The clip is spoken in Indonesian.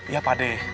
iya pak de